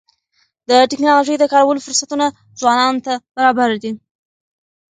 د ټکنالوژۍ د کارولو فرصتونه ځوانانو ته برابر دي.